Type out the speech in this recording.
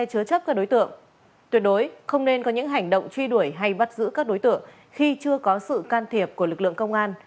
tuyệt đối không nên có những hành động truy đuổi hay bắt giữ các đối tượng khi chưa có sự can thiệp của lực lượng công an